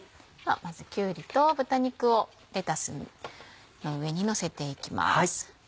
まずきゅうりと豚肉をレタスの上にのせていきます。